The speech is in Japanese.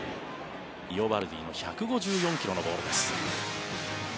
イオバルディの１５４ｋｍのボールです。